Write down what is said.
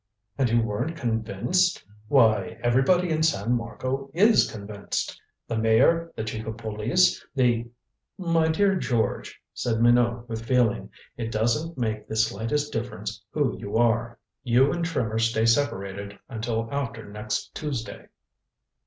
"And you weren't convinced? Why, everybody in San Marco is convinced. The mayor, the chief of police, the " "My dear George," said Minot with feeling. "It doesn't make the slightest difference who you are. You and Trimmer stay separated until after next Tuesday."